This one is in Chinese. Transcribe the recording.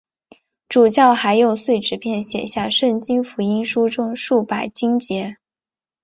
主教还用碎纸片写下圣经福音书中数百经节。